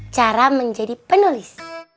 cara menjadi penulis